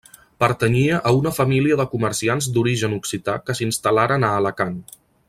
Pertanyia a una família de comerciants d'origen occità que s'instal·laren a Alacant.